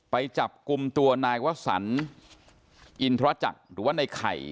ไปจับกลุ่มตัวนายวสันอินทรจักรหรือว่าในไข่